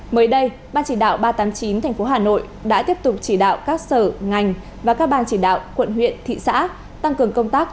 mới đây ban chỉ đạo ba trăm tám mươi chín tp hà nội đã tiếp tục chỉ đạo các sở ngành và các ban chỉ đạo quận huyện thị xã tăng cường công tác